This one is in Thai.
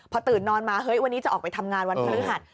พอตื่นนอนมาเฮ้ยวันนี้จะออกไปทำงานวันพฤหัส